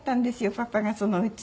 パパがその家を。